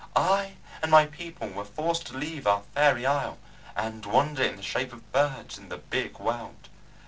I and my people were forced to leave our fairy isle, and wander in the shape of birds in the Big World.